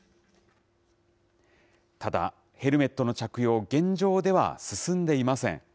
ただ、ヘルメットの着用、現状では進んでいません。